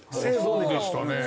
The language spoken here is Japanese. そうでしたね。